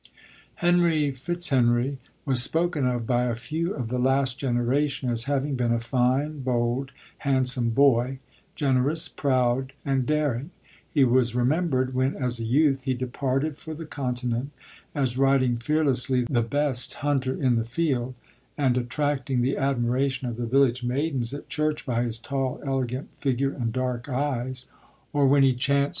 Henry Fitzhenry was spoken of by a few of the last generation, as having been a fine, bold, handsome boy — generous, proud, and daring ; he was remembered, when as a youth he departed for the continent, as riding fearlessly the best hunter in the field, and attracting the admiration of the village maidens at church by his tall ele gant figure and dark eyes ; or, when he chanced LODORE.